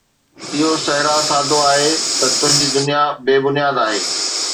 اهو صحرا سادو آهي، ته تنهنجي دنيا بي بنياد آهي